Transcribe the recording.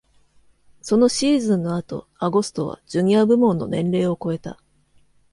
そのシーズンの後、アゴストはジュニア部門の年齢を超えた。